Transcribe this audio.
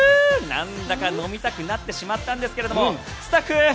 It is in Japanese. なんだか飲みたくなってしまったんですがスタッフ！